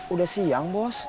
udah siang bos